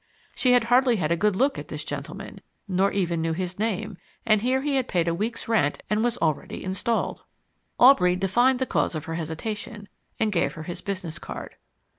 She had hardly had a good look at this gentleman, nor even knew his name, and here he had paid a week's rent and was already installed. Aubrey divined the cause of her hesitation, and gave her his business card.